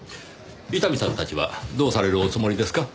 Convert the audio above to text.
伊丹さんたちはどうされるおつもりですか？